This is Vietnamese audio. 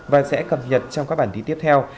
và sẽ cập nhật trong các bản tin tiếp theo